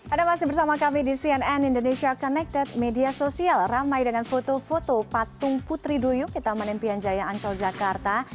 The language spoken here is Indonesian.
ada masih bersama kami di cnn indonesia connected media sosial ramai dengan foto foto patung putri duyuk di taman impian jaya ancol jakarta